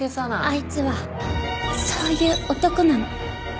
あいつはそういう男なの。